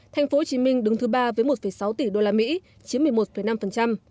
thành phố hồ chí minh đứng thứ ba với một sáu tỷ usd chiếm một mươi một năm